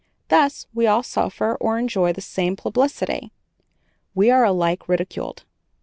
Thus we all suffer or enjoy the same publicity we are alike ridiculed.